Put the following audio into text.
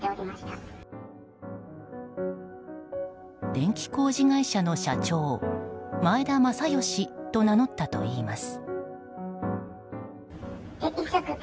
電気工事会社の社長「前田まさよし」と名乗ったといいます。